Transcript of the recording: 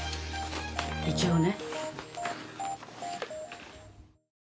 一応ね。